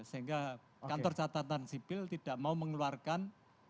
sehingga kantor catatan sipil tidak mau mengeluarkan